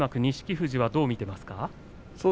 富士はどう見てますか。